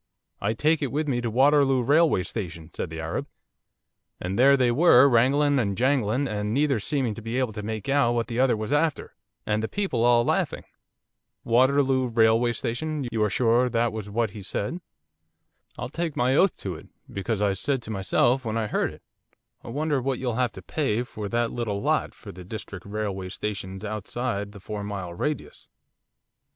"I take it with me to Waterloo Railway Station," said the Arab, and there they were, wrangling and jangling, and neither seeming to be able to make out what the other was after, and the people all laughing.' 'Waterloo Railway Station, you are sure that was what he said?' 'I'll take my oath to it, because I said to myself, when I heard it, "I wonder what you'll have to pay for that little lot, for the District Railway Station's outside the four mile radius."